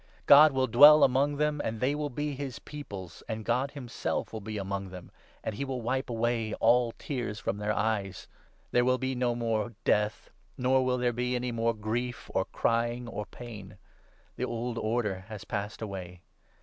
God will dwell among them, and they will be his Peoples, and God himself will be among them, and he 4 will wipe away all tears from their eyes. There will be no more death, nor will there be any more grief or crying or pain. The old order has passed away.'